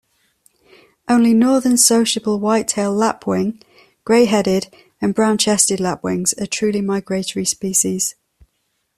Only northern, sociable, white-tailed lapwing, grey-headed and brown-chested lapwings are truly migratory species.